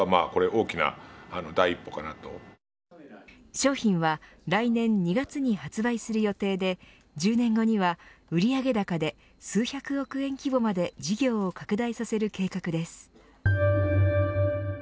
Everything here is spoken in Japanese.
商品は来年２月に発売する予定で１０年後には売上高で数百億円規模まで事業を拡大させる計画です。